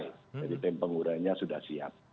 jadi tim pengurai nya sudah siap